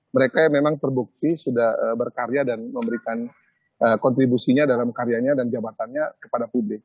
mereka yang memang terbukti sudah berkarya dan memberikan kontribusinya dalam karyanya dan jabatannya kepada publik